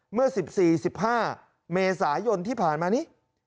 เมื่อ๑๔๑๕เมษายนที่ผ่านมานี้